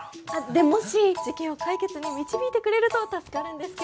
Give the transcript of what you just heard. でもし事件を解決に導いてくれると助かるんですけど。